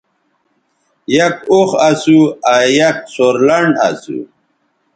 یک اوخ اسو آ یک سورلنڈ اسو